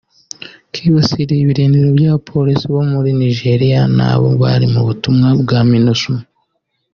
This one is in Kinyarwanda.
kibasiye ibirindiro by’abapolisi bo muri Nigeria nabo bari mu butumwa bwa Minusma